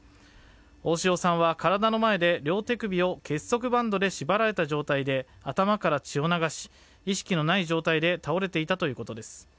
大塩さんは体の前で両手首を結束バンドで縛られた状態で頭から血を流し意識のない状態で倒れていたということです。